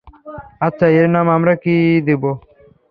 আচ্ছা, এর নাম আমরা কী দিবো?